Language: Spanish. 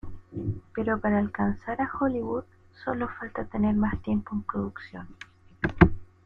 Pero para alcanzar a Hollywood, solo falta tener más tiempo en producción.